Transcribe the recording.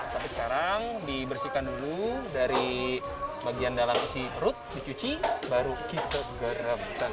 tapi sekarang dibersihkan dulu dari bagian dalam isi perut dicuci baru kita garam